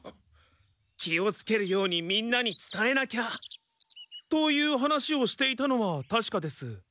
「気をつけるようにみんなに伝えなきゃ」という話をしていたのは確かです。